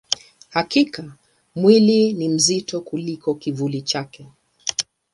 Hakika, mwili ni mzito kuliko kivuli chake.